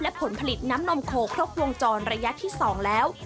และผลผลิตน้ำนมโคครบวงจรระยะที่๒แล้ว